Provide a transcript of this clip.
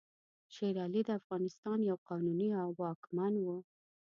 شېر علي د افغانستان یو قانوني واکمن وو.